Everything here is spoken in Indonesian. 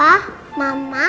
nanti kita berjalan ke rumah